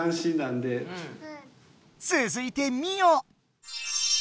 つづいてミオ！